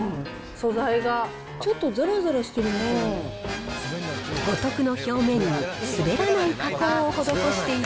素材がちょっとざらざらしてるな。